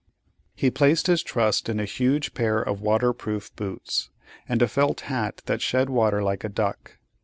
He placed his trust in a huge pair of water proof boots, and a felt hat that shed water like a duck.